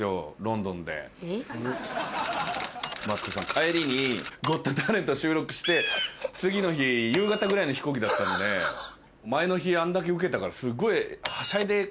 帰りに『ゴット・タレント』収録して次の日夕方ぐらいの飛行機だったんで前の日あんだけウケたからすっごい。